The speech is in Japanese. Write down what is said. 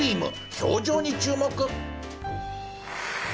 表情に注目。